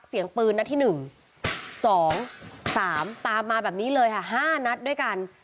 เสียงปืนนะที่หนึ่งสองสามตามมาแบบนี้เลยค่ะห้านัดด้วยกัน